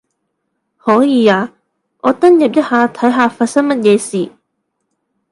可以啊，我登入一下睇下發生乜嘢事